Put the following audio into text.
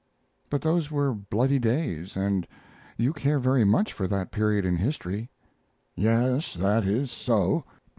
"But those were bloody days, and you care very much for that period in history." "Yes, that is so.